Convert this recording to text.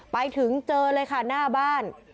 ไปถึงเจอเลยค่ะหน้าบ้าน